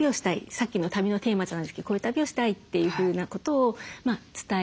さっきの旅のテーマじゃないんですけどこういう旅をしたいというふうなことを伝えるという。